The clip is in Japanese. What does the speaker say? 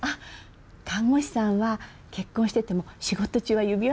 看護師さんは結婚してても仕事中は指輪しないから。